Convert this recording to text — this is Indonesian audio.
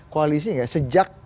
koalisi gak sejak